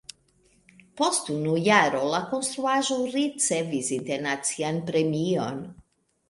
Post unu jaro la konstruaĵo ricevis internacian premion.